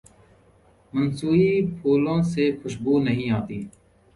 مصنوعی پھولوں سے خوشبو نہیں آتی